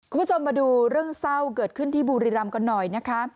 คุณผู้ชมมาดูเรื่องเศร้าเกิดขึ้นที่บุรีรำกันหน่อยนะคะ